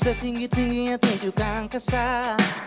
setinggi tingginya tunjukkan kesan